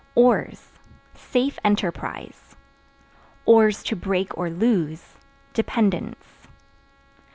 Oars Safe enterprise; (to break or lose) dependence.